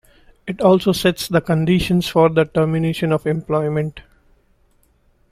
It also sets the conditions for the termination of employment.